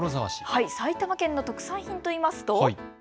埼玉県の特産品といいますと。